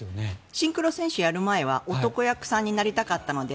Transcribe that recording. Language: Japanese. シンクロ選手をやる前は男役さんになりたかったので